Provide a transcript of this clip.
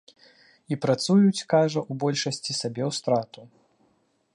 І працуюць, кажа, у большасці сабе ў страту.